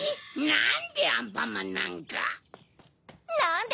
なんでアンパンマンなんか！